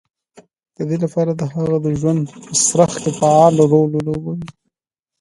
د دې لپاره چې د هغوی د ژوند په څرخ کې فعال رول ولوبوي